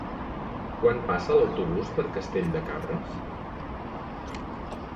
Quan passa l'autobús per Castell de Cabres?